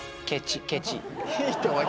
ケチ。